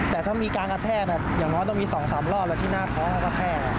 แต่ถ้ามีการกระแทกแบบอย่างน้อยต้องมี๒๓รอบแล้วที่หน้าท้องกระแทก